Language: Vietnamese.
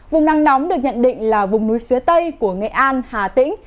vùng nắng nóng được nhận định là vùng núi phía tây của nghệ an hà tĩnh